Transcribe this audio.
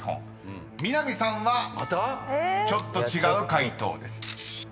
［南さんはちょっと違う解答です］